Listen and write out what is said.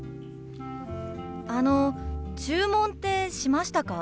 あの注文ってしましたか？